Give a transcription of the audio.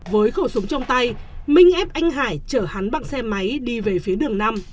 với khẩu súng trong tay minh ép anh hải chở hắn bằng xe máy đi về phía đường năm